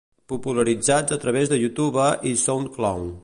Popularitzats a través de YouTube i SoundCloud.